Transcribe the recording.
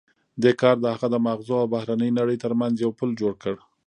دې کار د هغه د ماغزو او بهرنۍ نړۍ ترمنځ یو پُل جوړ کړ